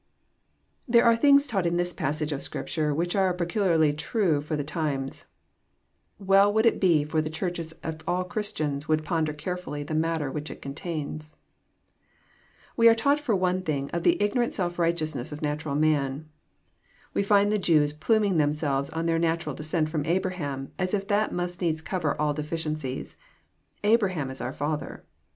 There are things taught in this passage of Scripture which are peculiarly tmth for the times. Well wonld it be for the Churches if all Christians would ponder carefully the matter which it contains. We are taught for one thing the ignorant self rigMeous' nes8 of the natural man. We find the Jews pluming them selves on their natural descent from Abraham, as if that must needs cover all deficiencies: ^'Abraham is our father.''